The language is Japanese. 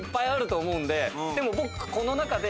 でも僕この中で。